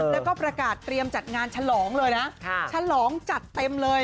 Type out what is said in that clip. แล้วก็ประกาศเตรียมจัดงานฉลองเลยนะฉลองจัดเต็มเลย